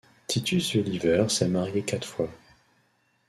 Titus Welliver s'est marié quatre fois.